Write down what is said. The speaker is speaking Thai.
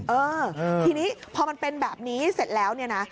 เออทีนี้พอมันเป็นแบบนี้เสร็จแล้วเนี่ยนะ